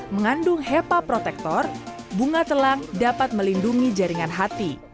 mengandung hepa protektor bunga telang dapat melindungi jaringan hati